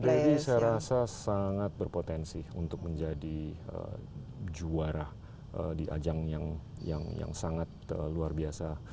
deddy saya rasa sangat berpotensi untuk menjadi juara di ajang yang sangat luar biasa